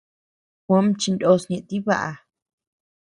Juóm chinos ñeʼe tibaʼa.